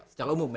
secara umum ya